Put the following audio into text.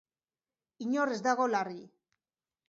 Inor ez dago larri.